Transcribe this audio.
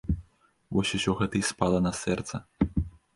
Вось усё гэта і спала на сэрца.